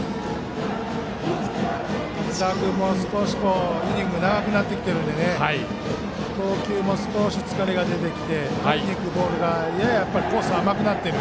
滝沢君もイニングが長くなっているので投球も少し疲れが出てきてとりにいくボールがややコースが甘くなっている。